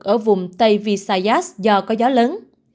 ở vùng tây visayas do có gió lớn